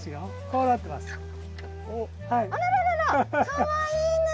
かわいいね。